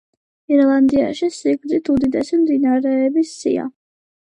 ირლანდიაში სიგრძით უდიდესი მდინარეების სია.